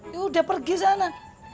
yaudah pergi sana